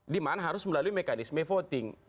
di mana harus melalui mekanisme voting